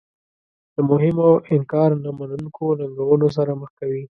له مهمو او انکار نه منونکو ننګونو سره مخ کوي.